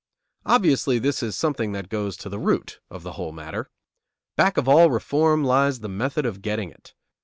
Obviously, this is something that goes to the root of the whole matter. Back of all reform lies the method of getting it.